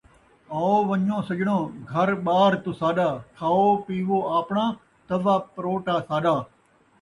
آوو ونڄو سڄݨو، گھرٻار تساݙا، کھاوو پیوو آپݨا، توا پتروٹا ساݙا